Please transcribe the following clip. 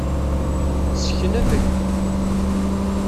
Ssken abrid.